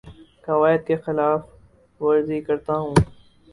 قوائد کی خلاف ورزی کرتا ہوں